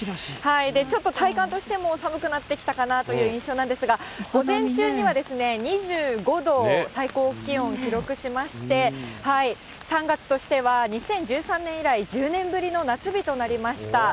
ちょっと体感としても寒くなってきたかなという印象なんですが、午前中には２５度を最高気温記録しまして、３月としては２０１３年以来、１０年ぶりの夏日となりました。